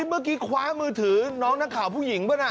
เมื่อกี้คว้ามือถือน้องนักข่าวผู้หญิงป่ะนะ